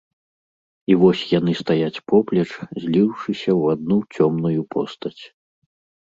І вось яны стаяць поплеч, зліўшыся ў адну цёмную постаць.